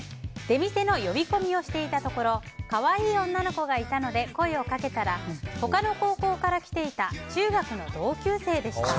出店の呼び込みをしていたところ可愛い女の子がいたので声をかけたら他の高校から来ていた中学の同級生でした。